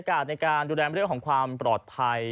บริการในการดูแลบริเวณของความปลอดภัย